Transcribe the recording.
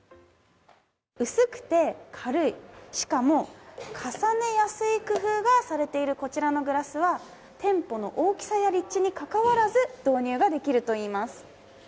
薄くて軽いしかも、重ねやすい工夫がされているこちらのグラスは店舗の大きさや立地に関わらず導入ができるといいます。